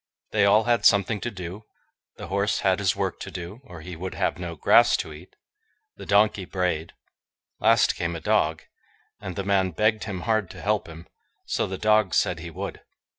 They all had something to do. The horse had his work to do, or he would have no grass to eat. The donkey brayed. Last came a dog, and the man begged him hard to help him; so the dog said he would.